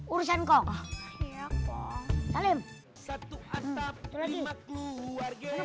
udah di situ